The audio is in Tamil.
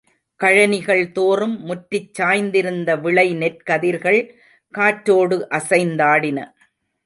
கழனிகள் தோறும் முற்றிச் சாய்ந்திருந்த விளை நெற்கதிர்கள் காற்றோடு அசைந்தாடின.